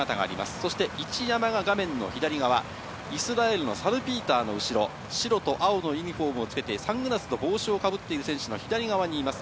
そして、一山が画面の左側、イスラエルのサルピーターの後ろ、白と青のユニホームをつけてサングラスと帽子をかぶっている選手の左側にいます。